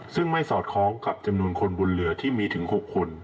ซึ่งไม่สอดคล้องกับจำนวนคนบนเรือที่มีถึง๖คน